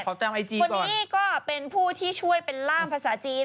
คนนี้ก็เป็นผู้ที่ช่วยเป็นล่ามภาษาจีน